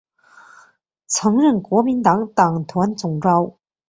曾任国民党党团总召。